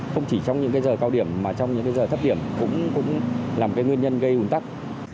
không chỉ trong những cái giờ cao điểm mà trong những cái giờ thấp điểm cũng làm cái nguyên nhân gây ủn tắc